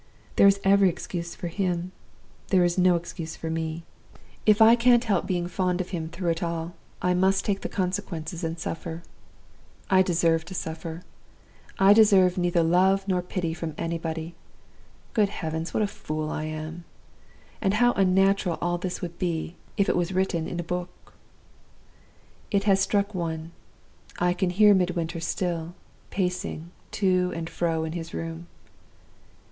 There is every excuse for him there is no excuse for me. If I can't help being fond of him through it all, I must take the consequences and suffer. I deserve to suffer; I deserve neither love nor pity from anybody. Good heavens, what a fool I am! And how unnatural all this would be, if it was written in a book! "It has struck one. I can hear Midwinter still, pacing to and fro in his room.